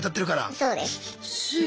そうです。